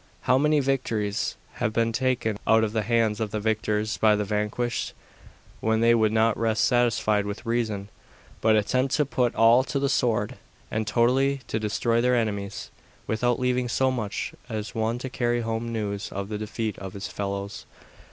How many victories have been taken out of the hands of the victors by the vanquished, when they would not rest satisfied with reason, but attempt to put all to the sword, and totally to destroy their enemies, without leaving so much as one to carry home news of the defeat of his fellows.